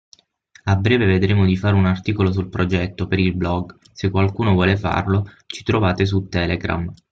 A breve vedremo di fare un articolo sul progetto per il blog, se qualcuno vuole farlo ci trovate su telegram.